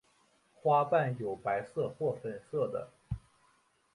花瓣有白色或粉色的。